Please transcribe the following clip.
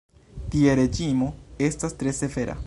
Tie reĝimo estas tre severa.